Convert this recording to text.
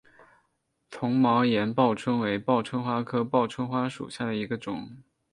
丛毛岩报春为报春花科报春花属下的一个种。